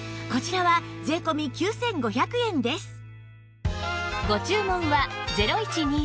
こちらは税込９５００円です